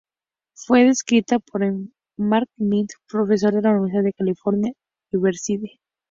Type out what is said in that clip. Fue descrita por M. Mark Midland, profesor de la Universidad de California, Riverside.